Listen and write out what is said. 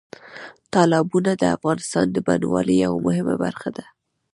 تالابونه د افغانستان د بڼوالۍ یوه مهمه برخه ده.